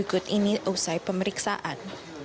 ini usai pemeriksaan